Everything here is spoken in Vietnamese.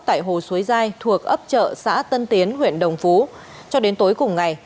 tại hồ suối giai thuộc ấp trợ xã tân tiến huyện đồng phú